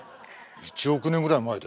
１億年ぐらい前だよ？